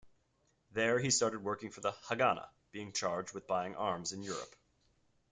There he started working for the Haganah, being charged with buying arms in Europe.